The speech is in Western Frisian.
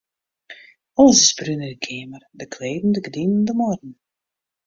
Alles is brún yn 'e keamer: de kleden, de gerdinen, de muorren.